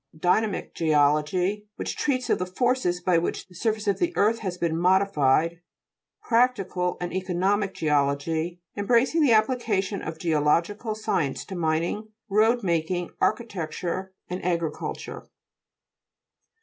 dyna'mic geology, which treats of the forces by which the surface of the earth has been modified ; prac tical and economic geology, em bracing the application of geological science to mining, road making, architecture, and agriculture.